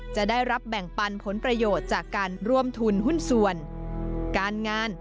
จะได้รับแบ่งปันผลประโยชน์จากการร่วมทุนหุ้นส่วนการงาน